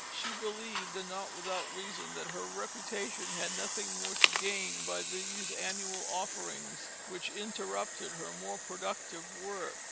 She believed, and not without reason, that her reputation had nothing more to gain by these annual offerings, which interrupted her more productive work.